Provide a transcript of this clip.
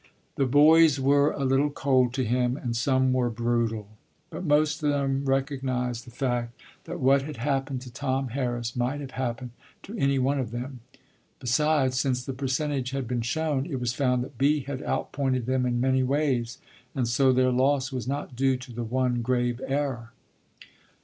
The boys were a little cold to him, and some were brutal. But most of them recognized the fact that what had happened to Tom Harris might have happened to any one of them. Besides, since the percentage had been shown, it was found that "B" had outpointed them in many ways, and so their loss was not due to the one grave error.